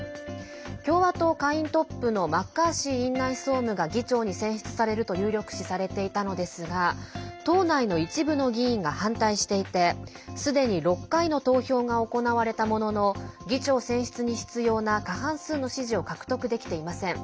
共和党下院トップのマッカーシー院内総務が議長に選出されると有力視されていたのですが党内の一部の議員が反対していてすでに６回の投票が行われたものの議長選出に必要な過半数の支持を獲得できていません。